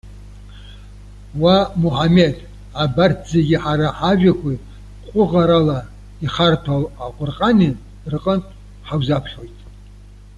Уа, Муҳаммед, абарҭ зегьы ҳара ҳажәақәеи ҟәыӷарала ихарҭәаау аҟәырҟани рҟынтә ҳаузаԥхьоит.